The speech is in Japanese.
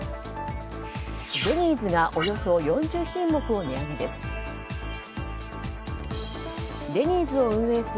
デニーズがおよそ４０品目を値上げです。